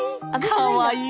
かわいい。